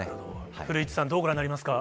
古市さん、どうご覧になりますか？